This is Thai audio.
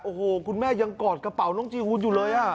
โอ้โหคุณแม่ยังกอดกระเป๋าน้องจีฮูนอยู่เลย